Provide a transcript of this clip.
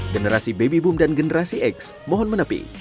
generasi baby boom dan generasi x mohon menepi